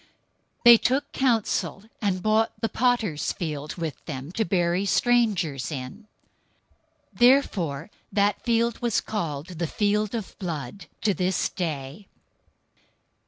027:007 They took counsel, and bought the potter's field with them, to bury strangers in. 027:008 Therefore that field was called "The Field of Blood" to this day.